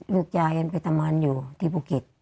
ลูกชายยังไปทำงานอยู่ที่ภูเก็ต